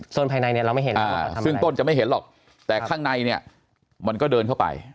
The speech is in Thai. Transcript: ส่วนภายในเนี่ยเราไม่เห็นซึ่งต้นจะไม่เห็นหรอกแต่ข้างในเนี่ยมันก็เดินเข้าไป